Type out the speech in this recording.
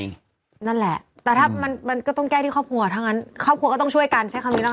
นั่นแหละแต่ถ้ามันมันก็ต้องแก้ที่ครอบครัวทั้งนั้นครอบครัวก็ต้องช่วยกันใช้คำนี้นะคะ